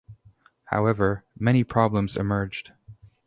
However, many problems emerged.